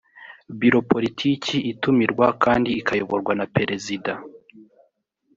biro politiki itumirwa kandi ikayoborwa na perezida